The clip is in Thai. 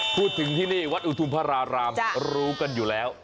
พูดถึงที่นี่วัดอุทุมพระรารามรู้กันอยู่แล้ว